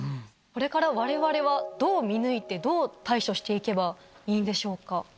これから、われわれはどう見抜いて、どう対処していけばいいんでしょうか。